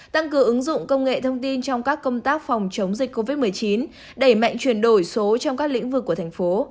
tăng cường ứng dụng công nghệ thông tin trong các công tác phòng chống dịch covid một mươi chín đẩy mạnh chuyển đổi số trong các lĩnh vực của thành phố